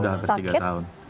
sudah hampir tiga tahun